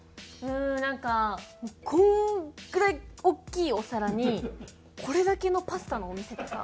なんかこんぐらい大きいお皿にこれだけのパスタのお店とか。